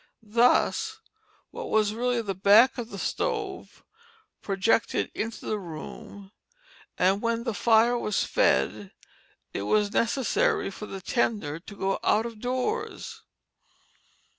Thus what was really the back of the stove projected into the room, and when the fire was fed it was necessary for the tender to go out of doors.